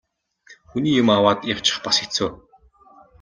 Хүний юм аваад явчих бас хэцүү.